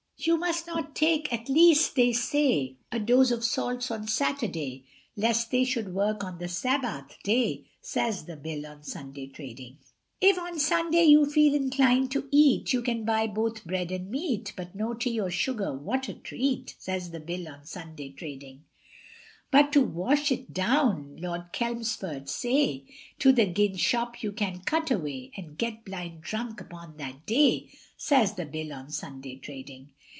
You must not take, at least, they say, A dose of salts on Saturday, Lest they should work on the Sabbath day, Says the Bill on Sunday trading. If on Sunday you feel inclined to eat, You can buy both bread and meat, But no tea or sugar, what a treat! Says the Bill on Sunday trading But to wash it down, Lord Chelmsford say, To the gin shop you can cut away And get blind drunk upon that day, Says the Bill on Sunday trading.